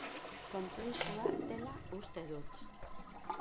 Konplexua dela uste dut.